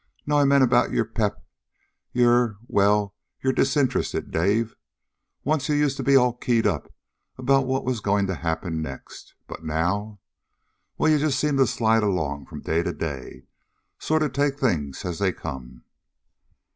No, I mean about your pep, your well, your disinterest, Dave. Once you used to be all keyed up about what was going to happen next. But now...? Well, you just seem to slide along from day to day. Sort of take things as they come."